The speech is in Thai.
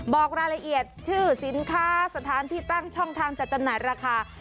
บอกรายละเอียดชื่อสินค้าสถานที่ตั้งช่องทางจัดจำหน่ายราคา